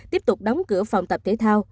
tiếp tục đóng cửa phòng tập thể thao